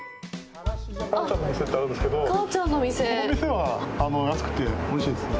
かあちゃんの店ってあるんですけどこの店は安くておいしいですよ。